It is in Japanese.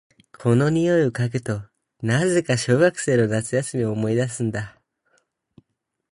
この匂いを嗅ぐと、なぜか小学生の夏休みを思い出すんだ。